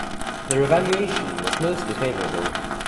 Their evaluation was mostly favourable.